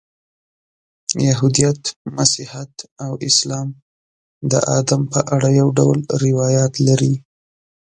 یهودیت، مسیحیت او اسلام د آدم په اړه یو ډول روایات لري.